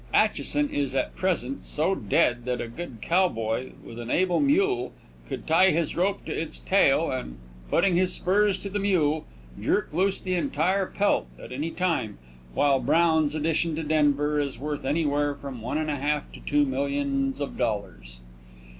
Atchison is at present so dead that a good cowboy, with an able mule, could tie his rope to its tail, and, putting his spurs to the mule, jerk loose the entire pelt at any time, while Brown's addition to Denver is worth anywhere from one and a half to two millions of dollars.